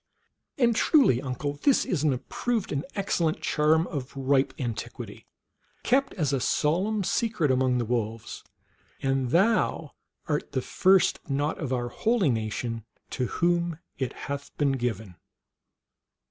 And truly, uncle, this is an approved and excellent charm of ripe antiquity, kept as a solemn secret among the wolves, and thou art the first not of our holy nation to whom it hath been given."